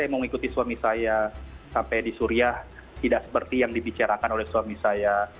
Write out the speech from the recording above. saya mau mengikuti suami saya sampai di suriah tidak seperti yang dibicarakan oleh suami saya